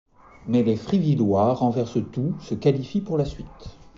Mais les Frivillois renversent tout se qualifient pour la suite.